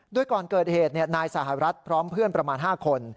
โดยก่อนเกิดเหตุนายสหรัฐพร้อมเพื่อนประมาณ๕คน